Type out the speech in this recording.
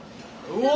うわ！